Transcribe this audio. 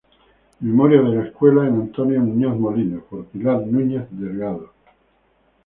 Memoria de la escuela en Antonio Muñoz Molina", por Pilar Núñez Delgado.